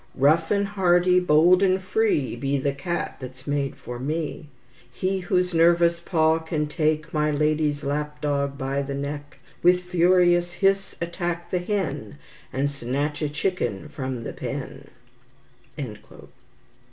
Rough and hardy, bold and free, Be the cat that's made for me; He whose nervous paw can take My lady's lapdog by the neck, With furious hiss attack the hen, And snatch a chicken from the pen."